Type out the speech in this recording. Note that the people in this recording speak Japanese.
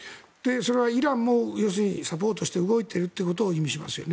それはイランもサポートして動いているということを意味しますよね。